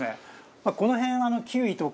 この辺キウイとか。